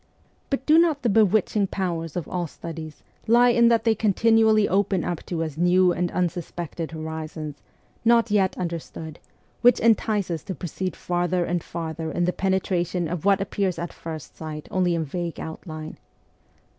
But do not the bewitching powers of all studies lie in that they continually open up to us new and unsus pected horizons, not yet understood, which entice us to proceed farther and farther in the penetration of what appears at first sight only in vague outline